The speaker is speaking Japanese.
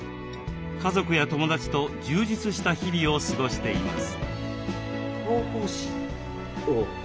家族や友だちと充実した日々を過ごしています。